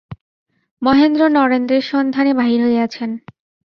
মহেন্দ্র নরেন্দ্রের সন্ধানে বাহির হইয়াছেন।